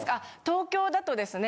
東京だとですね